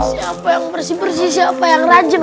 siapa yang bersih bersih siapa yang rajin